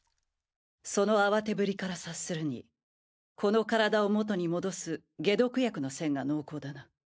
その慌てぶりから察するにこの体を元に戻す解毒薬の線が濃厚だな。